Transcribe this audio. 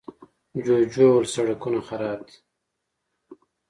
جوجو وويل، سړکونه خراب دي.